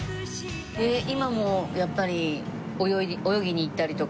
今もやっぱり泳ぎに行ったりとか。